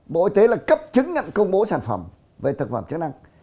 bộ y tế là cấp chứng nhận công bố sản phẩm về thực phẩm chức năng